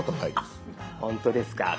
あっほんとですか？